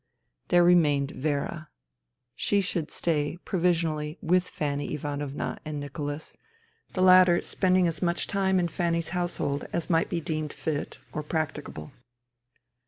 There remained Vera. She should stay, provisionally, with Fanny Ivanovna and Nicholas, the latter spending as much time in Fanny's household as might be deemed fit or practicable.